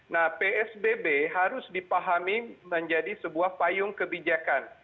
nah psbb harus dipahami menjadi sebuah payung kebijakan